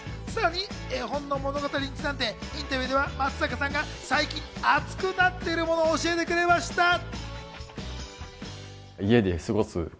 さらに絵本の物語にちなんで、インタビューでは松坂さんが最近熱くなっているものを教えてくれました。